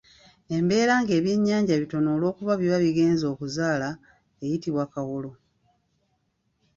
Embeera nga ebyennyanja bitono olwokuba biba bigenze okuzaala eyitibwa Kawolo.